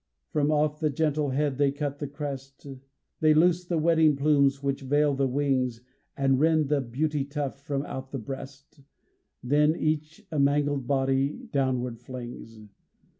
From off the gentle head they cut the crest, They loose the wedding plumes which veil the wings And rend the beauty tuft from out the breast Then each a mangled body downward flings.